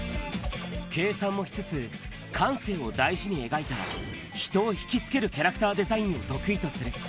計算もしつつ、感性を大事に描いた、人を引き付けるキャラクターデザインを得意とする。